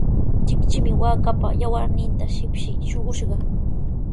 Chikchimi waakaapa yawarninta shipshi shuqushqa.